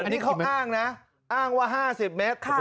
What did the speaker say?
อันนี้เขาอ้างนะอ้างว่า๕๐เมตร